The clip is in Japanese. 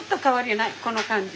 この感じ。